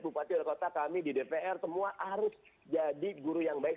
bupati wali kota kami di dpr semua harus jadi guru yang baik